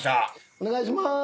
お願いしまーす。